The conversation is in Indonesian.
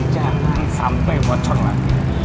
jangan sampai bocor lah